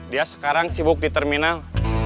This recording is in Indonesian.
dia sekarang sibuk di terminal